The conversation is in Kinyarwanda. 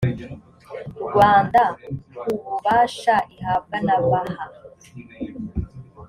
rwanda ku bubasha ihabwa na baha